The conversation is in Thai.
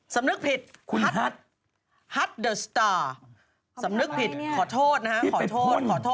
สำนึกผิดคุณฮัทฮัทเดอร์สตาร์สำนึกผิดขอโทษนะฮะขอโทษขอโทษ